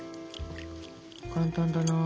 簡単だな。